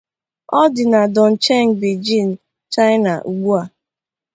Ọ dị na Dongcheng Beijing, China ugbu a.